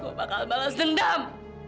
gue bakal balas dendam